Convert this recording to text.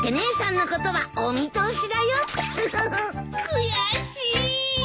悔しい！